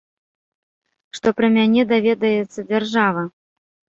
Што пра мяне даведаецца дзяржава?